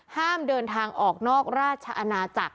ห้ามเดินทางออกนอกราชอาณาจักร